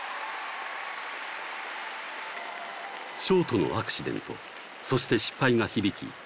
ショートのアクシデントそして失敗が響き